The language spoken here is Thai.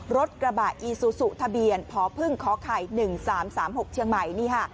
รถกระบะอีซูสุทะเบียนพอพึ่งขอข่าย๑๓๓๖เชียงใหม่